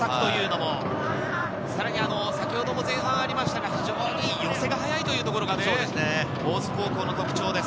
前半、ありましたが、非常に寄せが速いというところがね、大津高校の特徴です。